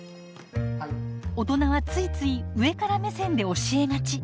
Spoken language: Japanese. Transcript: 大人はついつい上から目線で教えがち。